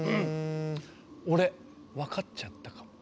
俺分かっちゃったかも。